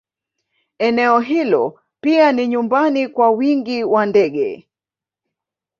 Eneo hilo pia ni nyumbani kwa wingi wa ndege